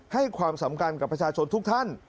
ให้ความสำคัญกับประชาชนทุกท่าน